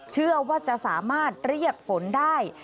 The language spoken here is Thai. เชื่อว่าจะสามารถเรียกฝนได้